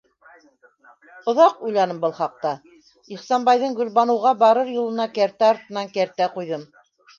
Оҙаҡ уйланым был хаҡта, Ихсанбайҙың Гөлбаныуға барыр юлына кәртә артынан кәртә ҡуйҙым...